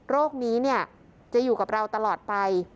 โรคนี้จะอยู่กับเราตลอดไป